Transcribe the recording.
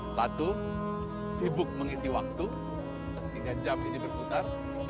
satu sibuk mengisi waktu tiga jam ini berputar